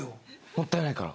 もったいないから。